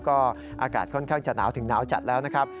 ก็อากาศค่อนข้างจะหนาวถึงหนาวจัดแล้วนะครับ